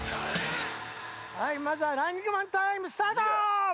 まずはランニングマンタイムスタート！